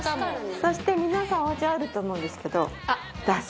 そして皆さんおうちにあると思うんですけど出汁。